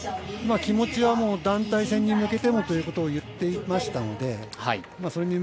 気持ちは団体戦に向けてもということを言っていましたのでん